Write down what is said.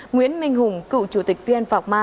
nguyễn minh hùng cựu chủ tịch vn phạc ma